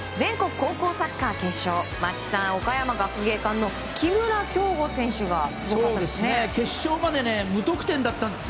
高校サッカー決勝松木さん、岡山学芸館の木村匡吾選手がすごかったんですね。